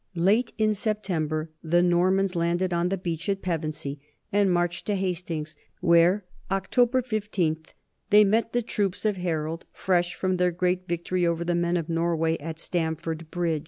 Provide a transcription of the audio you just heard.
Late in Septem ber the Normans landed on the beach at Pevensey and marched to Hastings, where, October 15, they met the troops of Harold, fresh from their great victory over the men of Norway at Stamfordbridge.